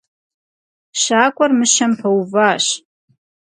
Щакӏуэр мыщэм пэуващ.